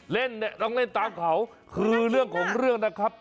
เล่นเนี่ยต้องเล่นตามเขาคือเรื่องของเรื่องนะครับ